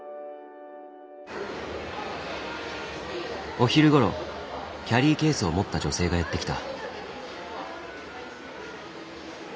お昼ごろキャリーケースを持った女性がやって来た。